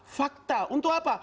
fakta untuk apa